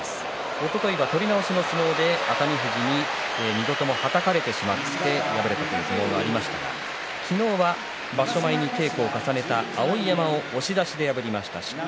おとといは取り直しの相撲で熱海富士に２度ともはたかれてしまって敗れた相撲がありましたが、昨日は場所前に稽古を重ねた碧山を押し出しで破りました。